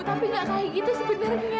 tapi gak kayak gitu sebenarnya